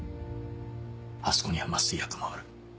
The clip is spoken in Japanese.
あそこには麻酔薬もある。